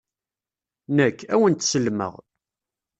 Nekk, ad wen-t-sellmeɣ.